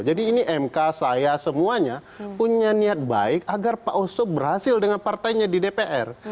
jadi ini mk saya semuanya punya niat baik agar pak oso berhasil dengan partainya di dpr